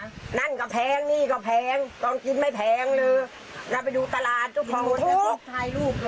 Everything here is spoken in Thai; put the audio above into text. อ่าอะนั่นก็แพงนี่ก็แพงก่อนกินไม่แพงเลยเราไปดูตลาดทุกของทุก